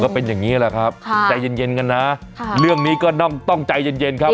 เป็นอย่างนี้แหละครับใจเย็นกันนะเรื่องนี้ก็ต้องใจเย็นครับ